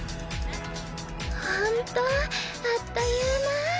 ほんとあっという間。